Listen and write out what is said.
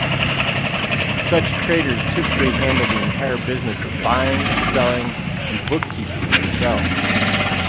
Such traders typically handle the entire business of buying, selling, and book-keeping themselves.